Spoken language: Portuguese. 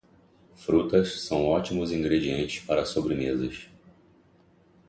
Frutas são ótimos ingredientes para sobremesas.